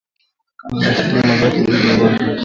kutokana na shutuma zake dhidi ya Rwanda